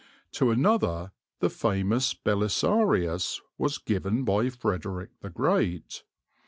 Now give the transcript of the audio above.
To another the famous Belisarius was given by Frederick the Great.